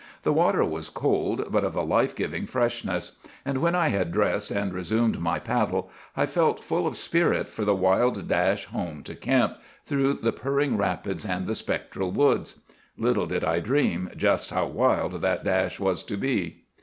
The water was cold, but of a life giving freshness; and when I had dressed and resumed my paddle I felt full of spirit for the wild dash home to camp, through the purring rapids and the spectral woods. Little did I dream just how wild that dash was to be!